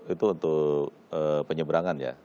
itu untuk penyeberangan ya